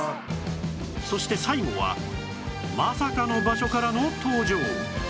そして最後はまさかの場所からの登場